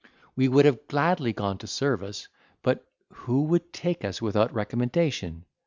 We would have gladly gone to service, but who would take us in without recommendation?